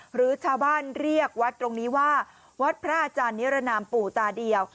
หรือชาวบ้านเรียกวัดตรงนี้ว่าวัดพระอาจารย์นิรนามปู่ตาเดียว